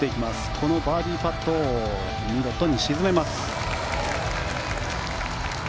このバーディーパットを見事に沈めます。